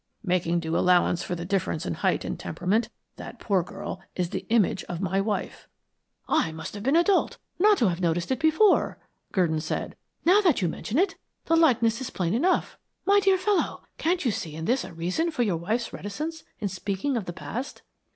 Making due allowance for the difference in height and temperament, that poor girl is the image of my wife." "I must have been a dolt not to have noticed it before," Gurdon said. "Now that you mention it, the likeness is plain enough. My dear fellow, can't you see in this a reason for your wife's reticence in speaking of the past?"